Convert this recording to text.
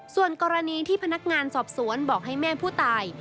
ส่วนกรณีที่พนักงานสอบสวนบอกให้แม่ผู้ตาย